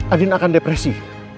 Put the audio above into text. andin akan depresi